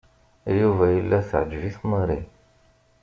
Yuba yella teɛǧeb-it Mary.